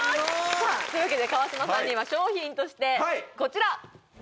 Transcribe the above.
さあというわけで川島さんには賞品としてこちら！